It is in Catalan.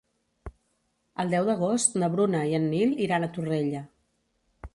El deu d'agost na Bruna i en Nil iran a Torrella.